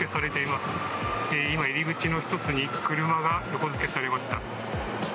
今、入り口の１つに車が横付けされました。